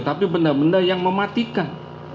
tapi benda benda yang mematikan